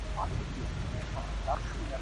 আমার মা রেখেছিল।